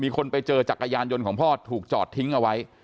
คนไปเจอจักรยานยนต์ของพ่อถูกจอดทิ้งเอาไว้